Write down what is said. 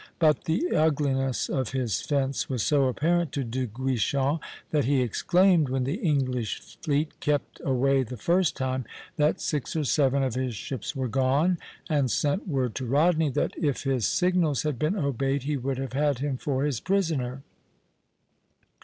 But the ugliness of his fence was so apparent to De Guichen, that he exclaimed, when the English fleet kept away the first time, that six or seven of his ships were gone; and sent word to Rodney that if his signals had been obeyed he would have had him for his prisoner.